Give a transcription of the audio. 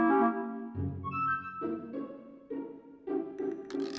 ya ya gak